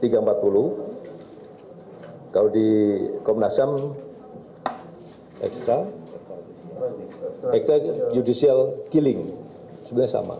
kalau di komnasam extrajudicial killing sebenarnya sama